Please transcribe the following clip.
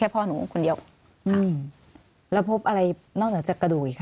ปืนของพ่อ